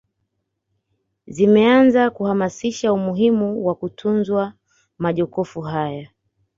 Zimeanza kuhamasisha umuhimu wa kutunzwa magofu haya